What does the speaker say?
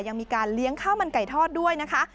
ยังมีการเลี้ยงข้าวมันไก่ทอดด้วยนะคะ